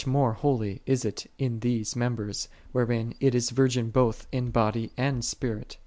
more holy is it in these members, wherein it is virgin both in body and spirit